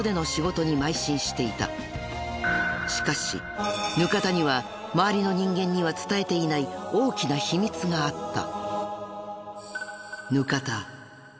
［しかし額田には周りの人間には伝えていない大きな秘密があった］